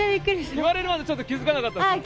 言われるまでちょっと気付かなかったですよね。